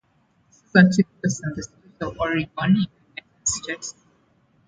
The season took place in the state of Oregon in the United States.